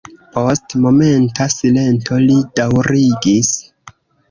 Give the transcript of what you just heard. Post momenta silento li daŭrigis.